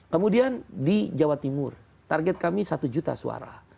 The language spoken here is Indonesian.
kemudian di jawa timur target kami satu juta suara